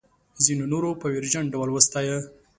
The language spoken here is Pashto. ځینو نورو په ویرجن ډول وستایه.